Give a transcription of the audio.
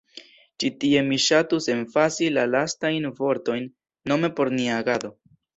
Ĉi tie mi ŝatus emfazi la lastajn vortojn, nome “por nia agado”.